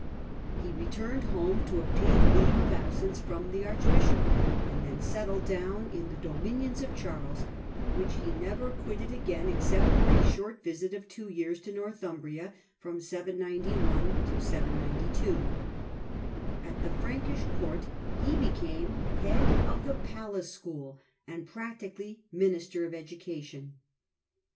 He returned home to obtain leave of absence from the archbishop, and then settled down in the dominions of Charles, which he never quitted again except for a short visit of two years to Northumbria, from 791 to 792. At the Frankish Court he became head of the Palace School and practically Minister of Education.